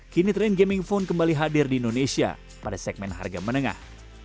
kini tren gaming phone kembali hadir di indonesia pada segmen harga menengah